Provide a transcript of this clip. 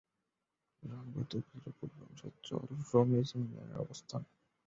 রামগতি উপজেলার পূর্বাংশে চর রমিজ ইউনিয়নের অবস্থান।